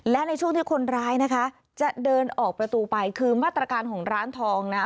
และในช่วงที่คนร้ายนะคะจะเดินออกประตูไปคือมาตรการของร้านทองนะ